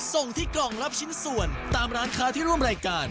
ส่งที่กล่องรับชิ้นส่วนตามร้านค้าที่ร่วมรายการ